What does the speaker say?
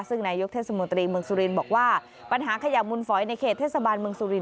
ซึ่งนายกเทศมนตรีเมืองสุรินบอกว่าปัญหาขยะมุนฝอยในเขตเทศบาลเมืองสุรินท